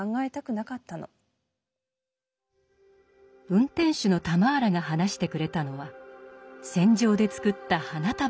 運転手のタマーラが話してくれたのは戦場で作った花束のことでした。